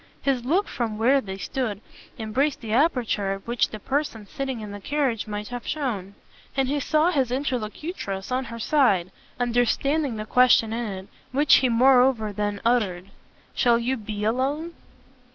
His look from where they stood embraced the aperture at which the person sitting in the carriage might have shown, and he saw his interlocutress, on her side, understand the question in it, which he moreover then uttered. "Shall you be alone?"